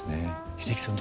英樹さん